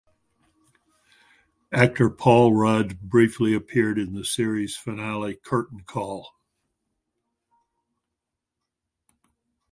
Actor Paul Rudd briefly appeared in the series finale curtain call.